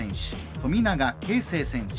富永啓生選手。